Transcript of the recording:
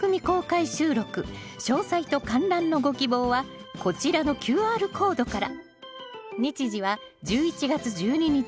詳細と観覧のご希望はこちらのＱＲコードから。